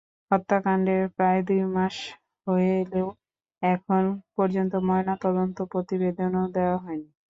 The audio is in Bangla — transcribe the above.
হত্যাকাণ্ডের প্রায় দুই মাস হয়ে এলেও এখন পর্যন্ত ময়নাতদন্ত প্রতিবেদনও দেওয়া হয়নি।